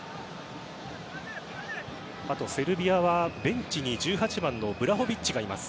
あとセルビアはベンチに１８番のヴラホヴィッチがいます。